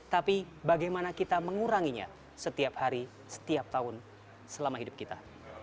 tapi bagaimana kita menguranginya setiap hari setiap tahun selama hidup kita